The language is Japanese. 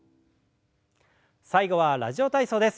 最後は「ラジオ体操」です。